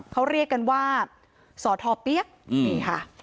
เขาเรียกกันว่าสอทอเปี๊ยกนี่ค่ะ